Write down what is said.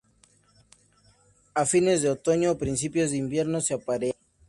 A fines de otoño o principios de invierno se aparea.